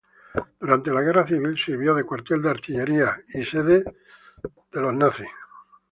Durante la Guerra Civil sirvió de cuartel de artillería y sede de la Falange.